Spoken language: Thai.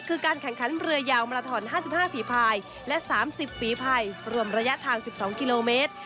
คือการแข่งขันเรือยาวมาราทอน๕๕ฝีภายและ๓๐ฝีภายรวมระยะทาง๑๒กิโลเมตร